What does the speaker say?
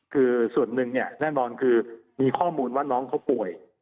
คือส่วนหนึ่งเนี่ยแน่นอนคือมีข้อมูลว่าน้องเขาป่วย